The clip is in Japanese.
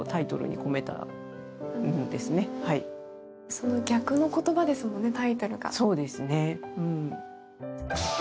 その逆の言葉ですもんね、タイトルが。